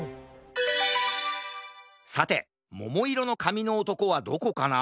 さてももいろのかみのおとこはどこかな？